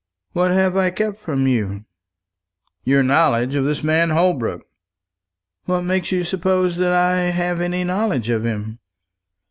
"What have I kept from you" "Your knowledge of this man Holbrook." "What makes you suppose that I have any knowledge of him?"